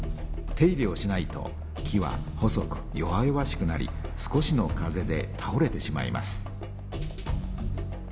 手入れをしないと木は細く弱々しくなり少しの風でたおれてしまいます。